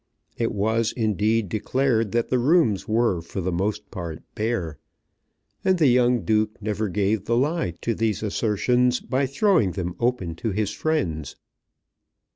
It was, indeed, declared that the rooms were for the most part bare; and the young Duke never gave the lie to these assertions by throwing them open to his friends.